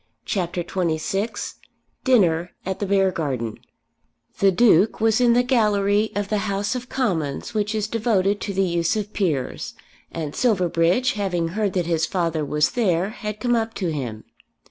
CHAPTER XXVI Dinner at the Beargarden The Duke was in the gallery of the House of Commons which is devoted to the use of peers, and Silverbridge, having heard that his father was there, had come up to him.